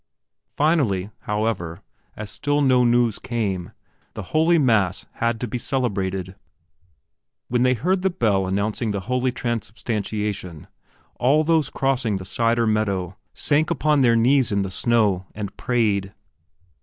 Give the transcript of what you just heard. Finally, however, as still no news came, the holy mass had to be celebrated. When they heard the bell announcing the Holy Transsubstantiation, all those crossing the Sider meadow sank upon their knees in the snow and prayed.